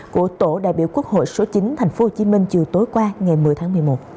của tổ đại biểu quốc hội số chín tp hcm chiều tối qua ngày một mươi tháng một mươi một